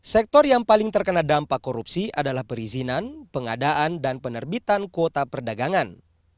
sektor yang paling terkena dampak korupsi adalah perizinan pengadaan dan penerbitan kuota perdagangan